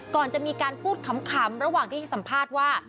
ก่อนจะมีการพูดขำระหว่างที่ให้สัมภาษณ์ว่า